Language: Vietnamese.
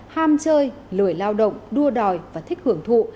ham chơi lười lao động đua đòi và thích hưởng thụ